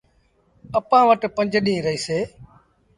اَپآن وٽ پنج ڏيٚݩهݩ رهيٚسي۔